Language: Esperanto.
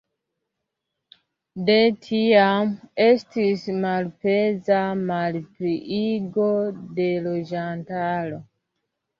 De tiam, estis malpeza malpliigo de loĝantaro.